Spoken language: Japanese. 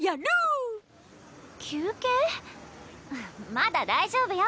まだ大丈夫よ。